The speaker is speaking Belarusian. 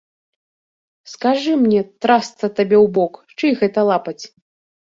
Скажы мне, трасца табе ў бок, чый гэта лапаць?!